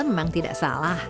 memang tidak salah